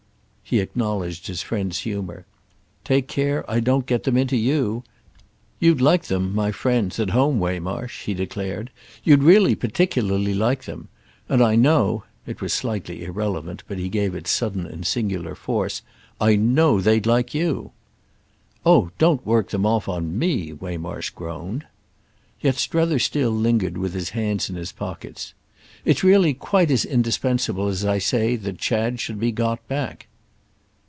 He acknowledged his friend's humour. "Take care I don't get them into you! You'd like them, my friends at home, Waymarsh," he declared; "you'd really particularly like them. And I know"—it was slightly irrelevant, but he gave it sudden and singular force—"I know they'd like you!" "Oh don't work them off on me!" Waymarsh groaned. Yet Strether still lingered with his hands in his pockets. "It's really quite as indispensable as I say that Chad should be got back."